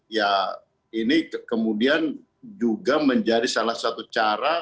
ya ini kemudian juga menjadi salah satu cara